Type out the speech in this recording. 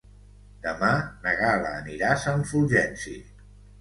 Demà na Gal·la anirà a Sant Fulgenci.